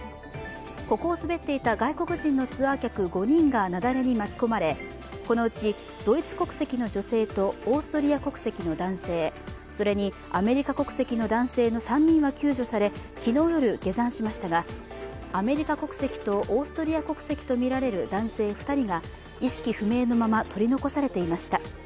ここを滑っていた外国人のツアー客５人が雪崩に巻き込まれこのうちドイツ国籍の女性とオーストリア国籍の男性、それにアメリカ国籍の男性の３人は救助され昨日夜、下山しましたがアメリカ国籍とオーストリア国籍とみられる男性２人が意識不明のまま取り残されていました。